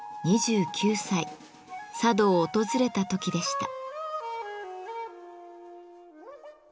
佐渡を訪れた時でした。